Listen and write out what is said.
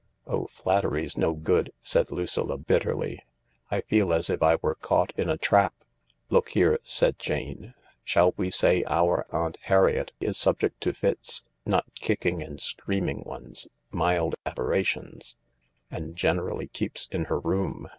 "Oh, flattery's no good," said Lucilla bitterly. "I feel as if I were caught in a trap." " Look here," said Jane, " shall we say our Aunt Harriet is subject to fits— not kicking and screaming ones, mild aberrations — and generally keeps in her room